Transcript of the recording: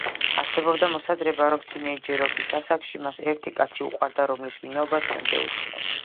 არსებობდა მოსაზრება, რომ თინეიჯერობის ასაკში მას ერთი კაცი უყვარდა, რომლის ვინაობაც დღემდე უცნობია.